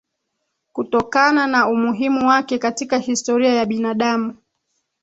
Kutokana na umuhimu wake katika historia ya binadamu